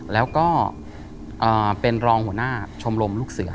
แล้วก็เป็นรองหัวหน้าชมรมลูกเสือ